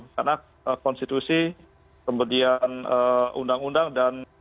karena konstitusi kemudian undang undang dan